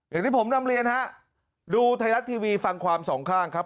อย่างที่ผมนำเรียนฮะดูไทยรัฐทีวีฟังความสองข้างครับ